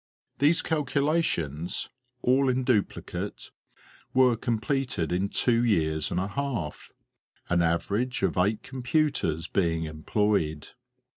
These calculations, all in duplicate, were completed in two years and a half, an average of eight computers being employed.